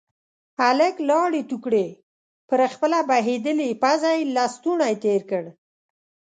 هلک لاړې تو کړې، پر خپله بهيدلې پزه يې لستوڼی تير کړ.